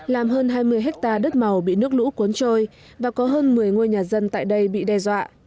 làm hơn hai mươi hectare đất màu bị nước lũ cuốn trôi và có hơn một mươi ngôi nhà dân tại đây bị đe dọa